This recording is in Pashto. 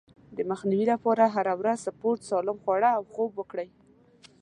د مخنيوي لپاره هره ورځ سپورت، سالم خواړه او خوب وکړئ.